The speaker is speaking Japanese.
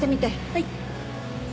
はい。